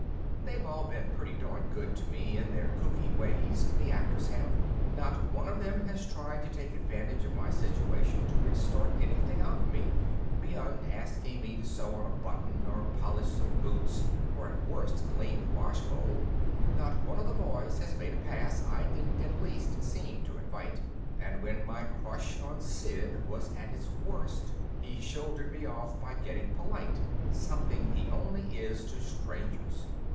They've all been pretty darn good to me in their kooky ways, the actors have. Not one of them has tried to take advantage of my situation to extort anything out of me, beyond asking me to sew on a button or polish some boots or at worst clean the wash bowl. Not one of the boys has made a pass I didn't at least seem to invite. And when my crush on Sid was at its worst he shouldered me off by getting polite something he only is to strangers.